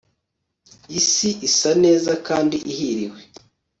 Isi isa neza kandi ihiriwe